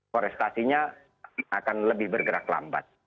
korestasinya akan lebih bergerak lambat